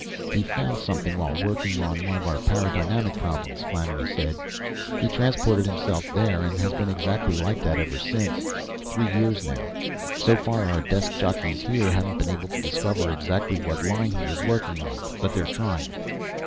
"He found something while working on one of our paradynamic problems," Flannery said. "He transported himself there and has been exactly like that ever since three years, now. So far, our desk jockeys here haven't been able to discover exactly what line he was working on, but they're trying!"